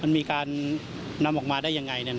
มันมีการนำออกมาได้ยังไง